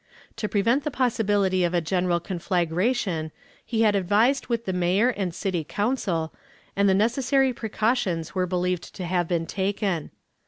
To prevent the possibility of a general conflagration he had advised with the Mayor and City Council, and the necessary precautions were believed to have been taken.